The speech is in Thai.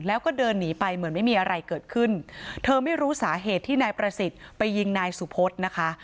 แล้วก็เดินหนีไปเหมือนไม่มีอะไรเกิดขึ้นเธอไม่รู้สาเหตุที่นายประสิทธิ์ไปยิงนายสุพธนะคะ